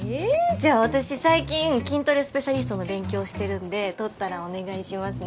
じゃあ私最近筋トレスペシャリストの勉強してるんで取ったらお願いしますね。